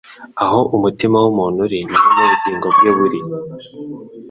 aho umutima wumuntu uri niho nubugingo bwe buri